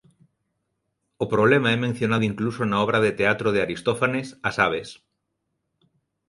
O problema é mencionado incluso na obra de teatro de Aristofanes "As aves".